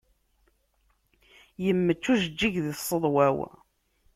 Yemmečč ujeǧǧig di tseḍwa-w.